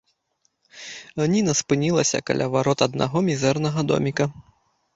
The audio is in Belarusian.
Ніна спынілася каля варот аднаго мізэрнага доміка.